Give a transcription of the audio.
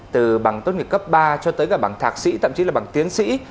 từ bằng tốt nghiệp cấp ba cho tới cả bằng thạc sĩ thậm chí là bằng tiến sĩ